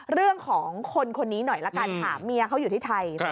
เรื่องของคนคนนี้หน่อยละกันค่ะเมียเขาอยู่ที่ไทย